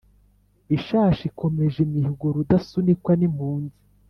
ishashi ikomeje imihigo rudasunikwa n' impunzi